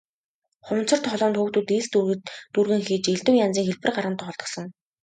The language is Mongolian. Хуванцар тоглоомд хүүхдүүд элс дүүргэн хийж элдэв янзын хэлбэр гарган тоглодог сон.